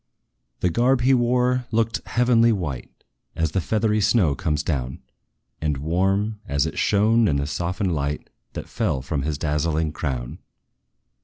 The garb he wore looked heavenly white, As the feathery snow comes down, And warm, as it shone in the softened light That fell from his dazzling crown.